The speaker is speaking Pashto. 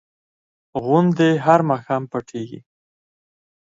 غوندې هر ماښام پټېږي.